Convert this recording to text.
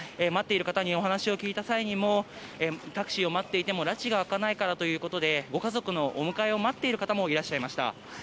待っている方にお話を聞いた際タクシーを待っていてもらちが明かないからということでご家族のお迎えを待っている方もいらっしゃいました。